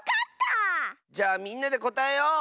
じゃあみんなでこたえよう！